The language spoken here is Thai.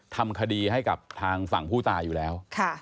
ทำคดีให้กับทางฝั่งผู้ตายอยู่แล้ว